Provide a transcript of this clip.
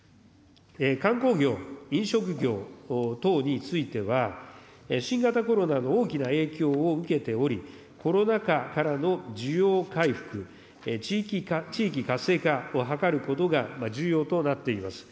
観光業、飲食業等については、新型コロナの大きな影響を受けており、コロナ禍からの需要回復、地域活性化を図ることが重要となっています。